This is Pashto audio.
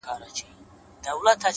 • ژوند مي جهاني یوه شېبه پر باڼو ولیکه,